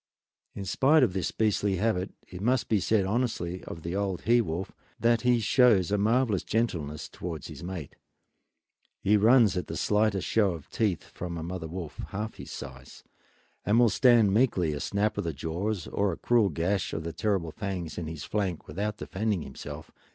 Spite of this beastly habit it must be said honestly of the old he wolf that he shows a marvelous gentleness towards his mate. He runs at the slightest show of teeth from a mother wolf half his size, and will stand meekly a snap of the jaws or a cruel gash of the terrible fangs in his flank without defending himself.